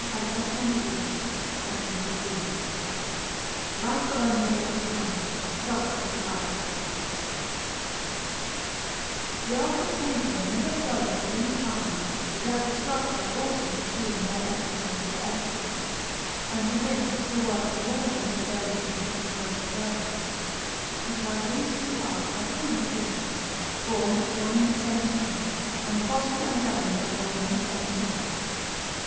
Assisi: Upper Church of S. Francesco)] ANDREA PISANO LIFE OF ANDREA PISANO, SCULPTOR AND ARCHITECT The art of painting never flourished at any time without the sculptors also pursuing their exercise with excellence, and to this the works of all ages bear witness for the close observer, because these two arts are truly sisters, born at one and the same time, and fostered and governed by one and the same soul.